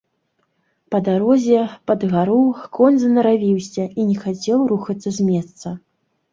Па дарозе, пад гару, конь занаравіўся і не хацеў рухацца з месца.